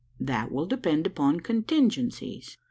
"That will depend upon contingencies.